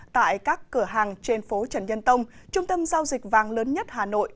tại các cửa hàng trên phố trần nhân tông trung tâm giao dịch vàng lớn nhất hà nội